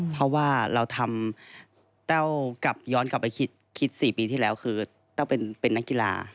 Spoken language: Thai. เพราะว่าเราทำแต้วกลับย้อนกลับไปคิด๔ปีที่แล้วคือแต้วเป็นนักกีฬา